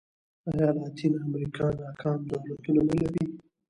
ایا لاتینه امریکا ناکام دولتونه نه لري.